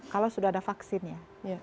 kalau sudah ada vaksinnya